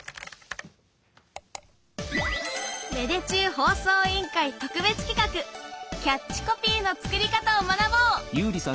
芽出中放送委員会特別企画キャッチコピーの作り方を学ぼう！